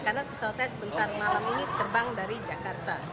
karena pesawat saya sebentar malam ini terbang dari jakarta